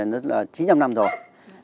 vâng ngôi chùa này nó là chín trăm linh năm rồi